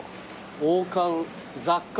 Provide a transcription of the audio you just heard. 王冠雑貨。